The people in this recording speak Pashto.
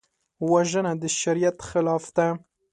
وژنه د شریعت خلاف ده